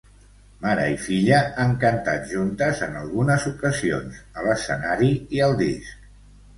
Mare i filla han cantat juntes en algunes ocasions, a l'escenari i al disc.